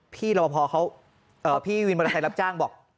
พี่วินมอเตอร์ไซค์รับจ้างบอก